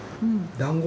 だんご。